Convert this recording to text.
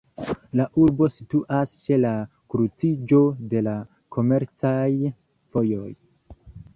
La urbo situas ĉe la kruciĝo de la komercaj vojoj.